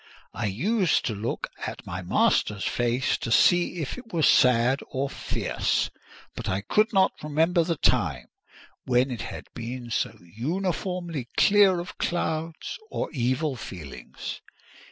I used to look at my master's face to see if it were sad or fierce; but I could not remember the time when it had been so uniformly clear of clouds or evil feelings.